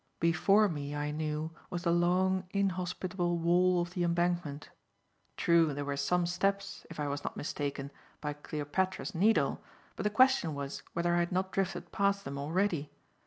Before me, I knew, was the long, inhospitable wall of the Embankment. True, there were some steps, if I was not mistaken, by Cleopatra's Needle, but the question was whether I had not drifted past them already.